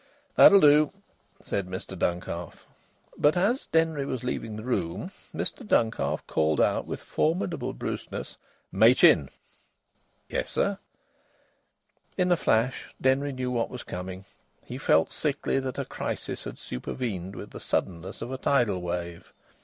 "That'll do," said Mr Duncalf. But as Denry was leaving the room Mr Duncalf called with formidable brusqueness "Machin!" "Yes, sir?" In a flash Denry knew what was coming. He felt sickly that a crisis had supervened with the suddenness of a tidal wave.